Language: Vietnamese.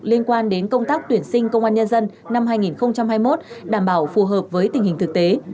liên quan đến công tác tuyển sinh công an nhân dân năm hai nghìn hai mươi một đảm bảo phù hợp với tình hình thực tế